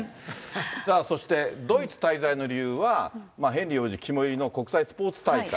さあそして、ドイツ滞在の理由は、ヘンリー王子肝いりの国際スポーツ大会。